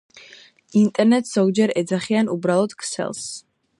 ნტერნეტს, ზოგჯერ ეძახიან, უბრალოდ „ქსელს“